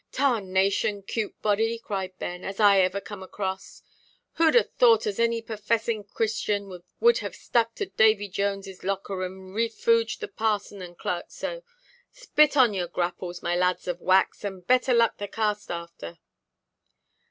"Tarnation 'cute body," cried Ben, "as ever I come across. Whoʼd a thought as any perfessing Christian would have stuck to Davy Jonesʼs locker, and refooged the parson and clerk so? Spit on your grapples, my lads of wax, and better luck the cast after."